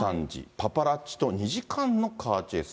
パパラッチと２時間のカーチェイス。